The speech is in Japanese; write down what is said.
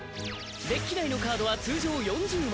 デッキ内のカードは通常４０枚。